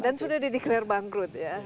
dan sudah dideklarasi bangkrut ya